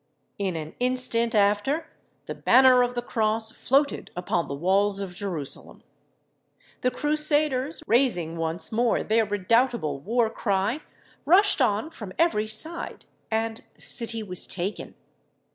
In an instant after, the banner of the cross floated upon the walls of Jerusalem. The Crusaders, raising once more their redoubtable war cry, rushed on from every side, and the city was taken.